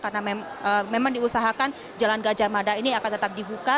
karena memang diusahakan jalan gajah mada ini akan tetap dibuka